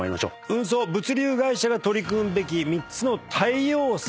運送・物流会社が取り組むべき３つの対応策。